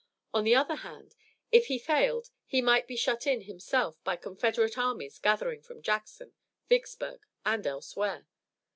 On the other hand, if he failed he might be shut in himself by Confederate armies gathering from Jackson, Vicksburg, and elsewhere.